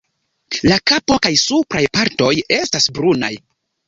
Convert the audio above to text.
La kapo kaj supraj partoj estas brunaj.